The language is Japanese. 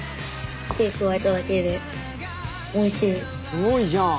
すごいじゃん！